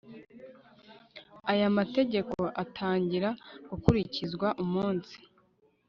Aya mategeko atangira gukurikizwa umunsi